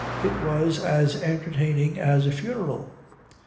It was as entertaining as a funeral.